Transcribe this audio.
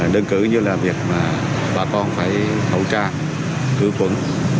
đơn cử như là việc bà con phải hậu trang tư vấn